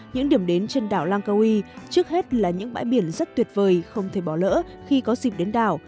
những điểm đến trên đảo lang cao trước hết là những bãi biển rất tuyệt vời không thể bỏ lỡ khi có dịp đến đảo